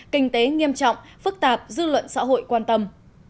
kinh tế nghiêm trọng phức tạp dư luận xã hội quan tâm